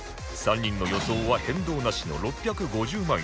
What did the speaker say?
３人の予想は変動なしの６５０万円